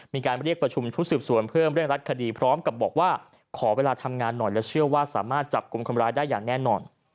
มีการเรียกประชุมชุดสืบสวนเพื่อเร่งรัดคดีพร้อมกับบอกว่าขอเวลาทำงานหน่อยและเชื่อว่าสามารถจับกลุ่มคนร้ายได้อย่างแน่นอน